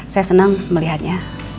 saya senang melihatnya